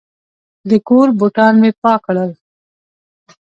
د کور بوټان مې پاک کړل.